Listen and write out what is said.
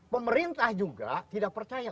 pemerintah juga tidak percaya